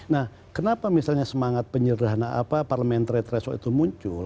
nah kenapa misalnya semangat penyerahana apa parmenitresol itu muncul